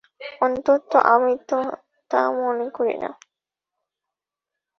অন্তত আমি তা মনে করি না।